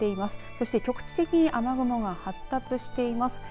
そして局地的に雨雲が発達しています。